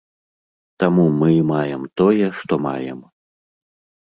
Таму мы і маем тое, што маем.